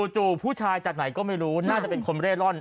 จู่ผู้ชายจากไหนก็ไม่รู้น่าจะเป็นคนเร่ร่อน